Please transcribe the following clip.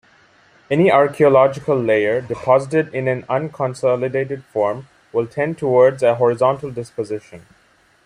Any archaeological layer deposited in an unconsolidated form will tend towards a horizontal disposition.